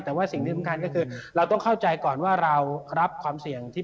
แต่ว่าสิ่งที่สำคัญก็คือเราต้องเข้าใจก่อนว่าเรารับความเสี่ยงที่